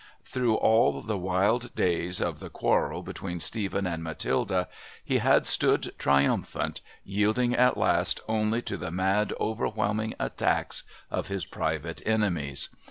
Through all the wild days of the quarrel between Stephen and Matilda he had stood triumphant, yielding at last only to the mad overwhelming attacks of his private enemies.